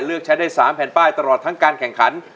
เลือกใช้ได้๓แผ่นป้ายตลอดทั้งการแข่งขัน